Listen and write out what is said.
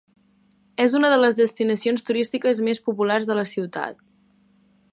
És una de les destinacions turístiques més populars de la ciutat.